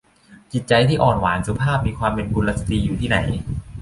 จิตใจที่อ่อนหวาน สุภาพ มีความเป็นกุลสตรีอยู่ที่ไหน